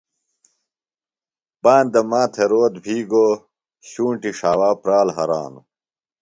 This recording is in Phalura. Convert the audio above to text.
پاندہ ماتھےۡ روت بھی گو، شُونٹی ݜاوا پرال ہرانوۡ